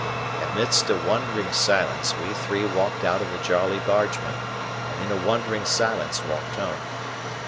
Amidst a wondering silence, we three walked out of the Jolly Bargemen, and in a wondering silence walked home.